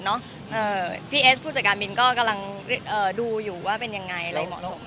พี่เอสผู้จัดการมินก็กำลังดูอยู่ว่าเป็นยังไงอะไรเหมาะสม